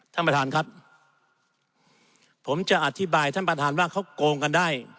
ท่านประธานครับผมจะอธิบายท่านประธานว่าเขาโกงกันได้